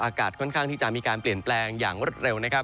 อากาศค่อนข้างที่จะมีการเปลี่ยนแปลงอย่างรวดเร็วนะครับ